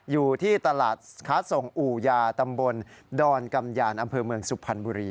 อยู่ที่ตลาดค้าส่งอู่ยาตำบลดอนกำยานอำเภอเมืองสุพรรณบุรี